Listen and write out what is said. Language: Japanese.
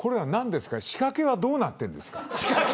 仕掛けはどうなってるんですか。